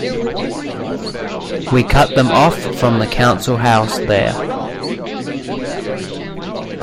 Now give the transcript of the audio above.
We cut them off from the Council House there.